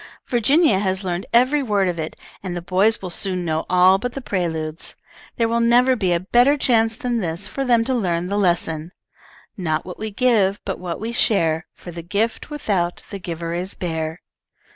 Virginia has learned every word of it, and the boys will soon know all but the preludes. There will never be a better chance than this for them to learn the lesson: "'Not what we give, but what we share, For the gift without the giver is bare.'